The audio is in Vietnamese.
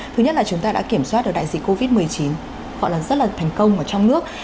thứ nhất là chúng ta đã kiểm soát được đại dịch covid một mươi chín gọi là rất là thành công ở trong nước